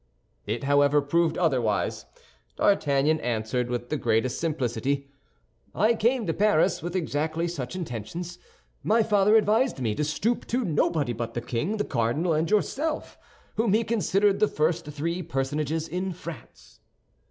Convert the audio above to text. It, however, proved otherwise. D'Artagnan answered, with the greatest simplicity: "I came to Paris with exactly such intentions. My father advised me to stoop to nobody but the king, the cardinal, and yourself—whom he considered the first three personages in France."